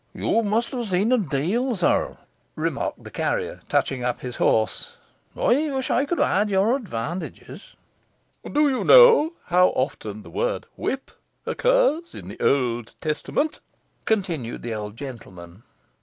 'You must have seen a deal, sir,' remarked the carrier, touching up his horse; 'I wish I could have had your advantages.' 'Do you know how often the word whip occurs in the Old Testament?' continued the old gentleman.